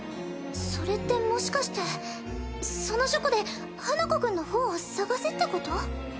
それってもしかしてその書庫で花子くんの本を探せってこと？